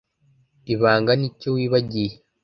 ibanga nicyo wibagiye